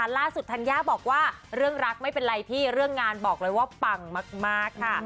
ธัญญาบอกว่าเรื่องรักไม่เป็นไรพี่เรื่องงานบอกเลยว่าปังมากค่ะ